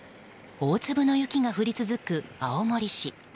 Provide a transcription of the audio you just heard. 大粒の雪が降り続く青森市。